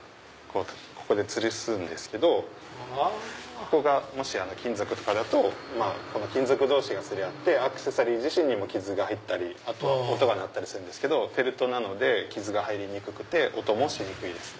ここがもし金属とかだと金属同士が擦れ合ってアクセサリーにも傷が入ったり音が鳴ったりするんですけどフェルトなので傷が入りにくくて音もしにくいです。